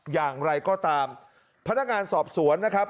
อย่างไรก็ตามพนักงานสอบสวนนะครับ